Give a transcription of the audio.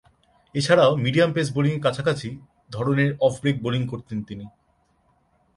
এছাড়াও, medium pace বোলিংয়ের কাছাকাছি ধরনের অফ ব্রেক বোলিং করতেন তিনি।